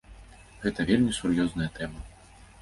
Гэта вельмі сур'ёзная тэма.